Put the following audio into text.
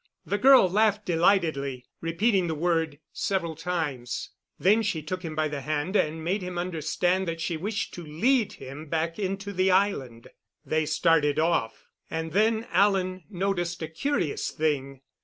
The girl laughed delightedly, repeating the word several times. Then she took him by the hand and made him understand that she wished to lead him back into the island. They started off, and then Alan noticed a curious thing.